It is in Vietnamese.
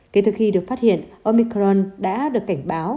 kể từ khi được phát hiện omicron đã được cảnh báo